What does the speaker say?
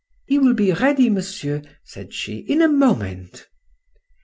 —He will be ready, Monsieur, said she, in a moment.